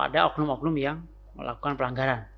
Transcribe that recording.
ada oknum oknum yang melakukan pelanggaran